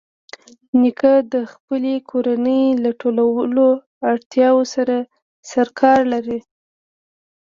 نیکه د خپلې کورنۍ له ټولو اړتیاوو سره سرکار لري.